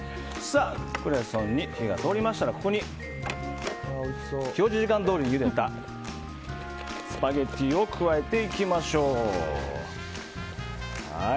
クレソンに火が通りましたらここに表示時間どおりにゆでたスパゲティを加えていきましょう。